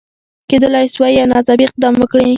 کېدلای سوای یو ناڅاپي اقدام وکړي.